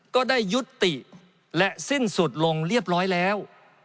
ก็ได้ยุติและสิ้นสุดลงเรียบร้อยแล้ว